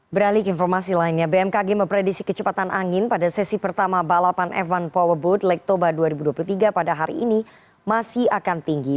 beralik informasi lainnya bmkg memprediksi kecepatan angin pada sesi pertama balapan f satu powerboat lake toba dua ribu dua puluh tiga pada hari ini masih akan tinggi